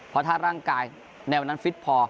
เพราะถ้าร่างกายแนวนั้นฟิตพอ